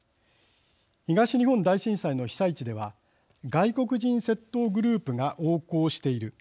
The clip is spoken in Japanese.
東日本大震災の被災地では外国人窃盗グループが横行している。